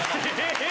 え